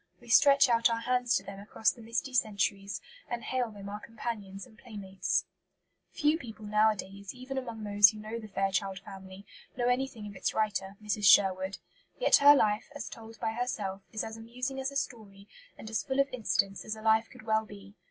We stretch out our hands to them across the misty centuries, and hail them our companions and playmates. Few people nowadays, even among those who know the Fairchild Family, know anything of its writer, Mrs. Sherwood. Yet her life, as told by herself, is as amusing as a story, and as full of incidents as a life could well be.